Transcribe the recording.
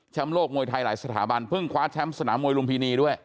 โลกมวยไทยหลายสถาบันเพิ่งคว้าแชมป์สนามมวยลุมพินีด้วย